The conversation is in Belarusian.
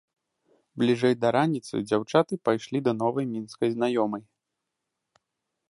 Бліжэй да раніцы дзяўчаты пайшлі да новай мінскай знаёмай.